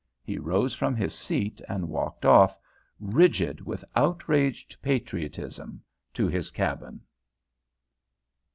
He rose from his seat, and walked off, rigid with outraged patriotism, to his cabin.